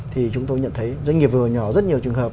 thì chúng tôi nhận thấy doanh nghiệp vừa nhỏ rất nhiều trường hợp